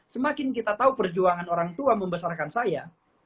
semakin kita tahu perjuangan orang tua membesarkan saya